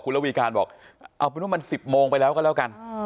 ระวีการบอกเอาเป็นว่ามัน๑๐โมงไปแล้วก็แล้วกัน